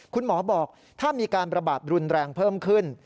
คุณหมอบอกถ้ามีการประบาดรุนแรงเพิ่มขึ้น